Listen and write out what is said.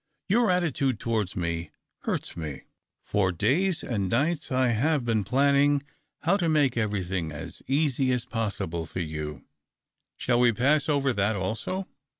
Your attitude towards me hurts me. For days and nights I THE OCTAVE OF CLAUDIUS. 317 have been planning how to make everything as easy as possible for you." " Shall we pass over that also